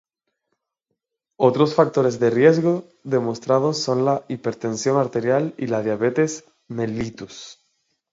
Otros factores de riesgo demostrados son la hipertensión arterial y la diabetes mellitus.